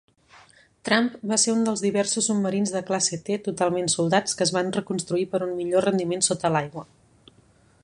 "Trump" va ser un dels diversos submarins de classe T totalment soldats que es van reconstruir per un millor rendiment sota l'aigua.